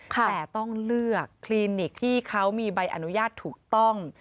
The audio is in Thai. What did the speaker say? แต่ต้องเลือกคลินิกที่เขามีใบอนุญาตถูกต้อง